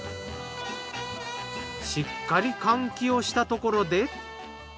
しっかり換気をしたところで。